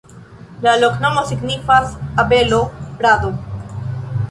La loknomo signifas: abelo-rado.